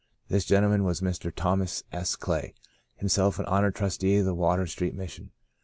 This gentleman was Mr. Thomas S. Clay, himself an honoured trustee of the Water Street Mission.